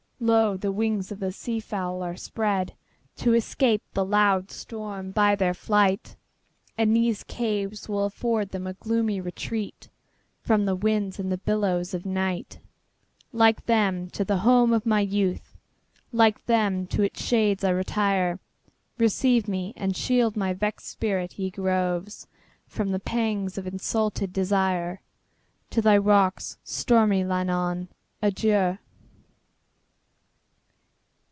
Lo! the wings of the sea fowl are spreadTo escape the loud storm by their flight; And these caves will afford them a gloomy retreatFrom the winds and the billows of night; Like them, to the home of my youth, Like them, to its shades I retire; Receive me, and shield my vexed spirit, ye groves, From the pangs of insulted desire! To thy rocks, stormy Llannon, adieu!